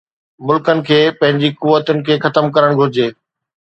ملڪن کي پنهنجي قوتن کي ختم ڪرڻ گهرجي